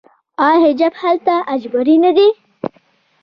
آیا حجاب هلته اجباري نه دی؟